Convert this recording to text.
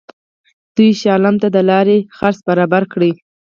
دوی شاه عالم ته د لارې خرڅ برابر کړي.